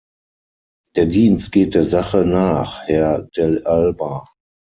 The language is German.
Der Dienst geht der Sache nach, Herr Dell'Alba.